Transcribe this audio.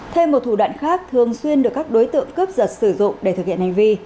thêm một thủ đoạn khác thường xuyên được các đối tượng cướp giật sử dụng để thực hiện hành vi